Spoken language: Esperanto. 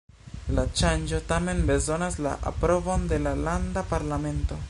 La ŝanĝo tamen bezonas la aprobon de la landa parlamento.